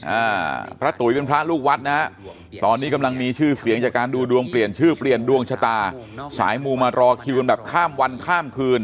อ่าพระตุ๋ยเป็นพระลูกวัดนะฮะตอนนี้กำลังมีชื่อเสียงจากการดูดวงเปลี่ยนชื่อเปลี่ยนดวงชะตาสายมูมารอคิวกันแบบข้ามวันข้ามคืน